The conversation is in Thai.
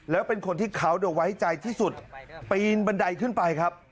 แล้วเป็นคนที่เขาไว้ใจที่สุดปีนบันไดขึ้นไปครับ